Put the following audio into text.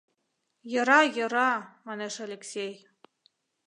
— Йӧра, йӧра, — манеш Элексей.